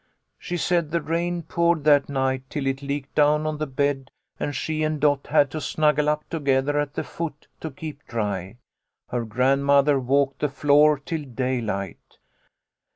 She said the rain poured that night till it leaked down on the bed, and she and Dot had to snuggle up together at the foot, to keep dry. Her grandmother walked the floor till daylight.